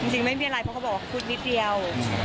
จริงไม่มีอะไรเพราะเขาบอกว่าคุดนิดเดียว